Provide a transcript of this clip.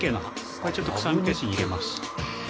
これちょっと臭み消しに入れます